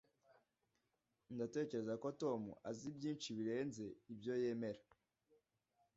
Ndatekereza ko Tom azi byinshi birenze ibyo yemera.